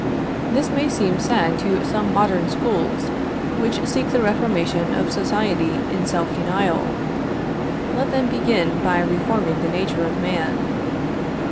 This may seem sad to some modern schools which seek the reformation of society in self denial. Let them begin by reforming the nature of man.